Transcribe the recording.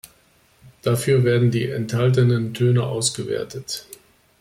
Dafür werden die enthaltenen Töne ausgewertet.